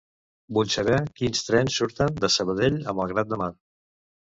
Vull saber quins trens surten de Sabadell a Malgrat de Mar.